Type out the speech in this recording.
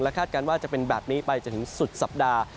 คาดการณ์ว่าจะเป็นแบบนี้ไปจนถึงสุดสัปดาห์